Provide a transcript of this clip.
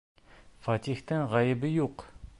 Фәтихтең ғәйебе юҡ!